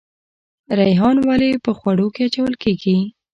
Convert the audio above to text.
ریحان ولې په خوړو کې اچول کیږي؟